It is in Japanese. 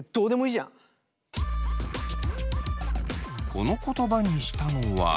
この言葉にしたのは。